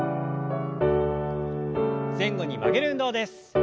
前後に曲げる運動です。